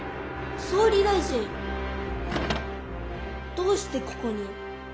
どうしてここに？